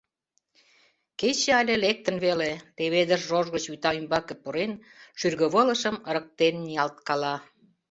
Кече але лектын веле, леведыш рож гыч вӱта ӱмбаке пурен, шӱргывылышым ырыктен ниялткала.